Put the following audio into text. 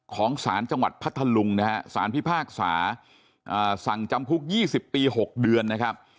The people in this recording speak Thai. ของศาลจังหวัดพระทะลุงนะฮะศาลพิพากษาอ่าสั่งจำคุกยี่สิบปีหกเดือนนะครับ